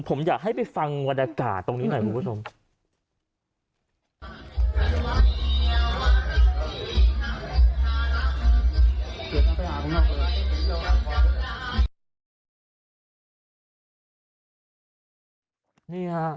ผมอยากให้ไปฟังบรรยากาศตรงนี้หน่อยคุณผู้ชม